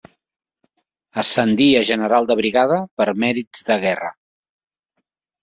Ascendí a general de brigada per mèrits de guerra.